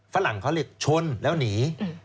ฝรั่งเขาเรียกชนแล้วหนี